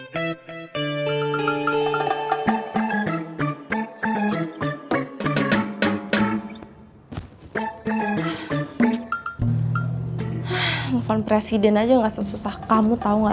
telepon presiden aja gak sesusah kamu tahu gak